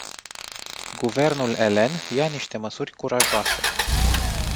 Guvernul elen ia niște măsuri curajoase.